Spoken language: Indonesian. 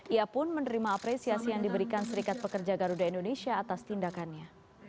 ia pun menerima apresiasi yang diberikan serikat pekerja garuda indonesia atas tindakannya